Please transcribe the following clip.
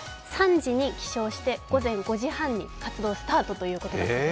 ３時に起床して午前５時半に活動スタートということです。